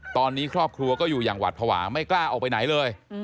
ตอนนี้ครอบครัวก็อยู่อย่างหวัดภาวะไม่กล้าออกไปไหนเลย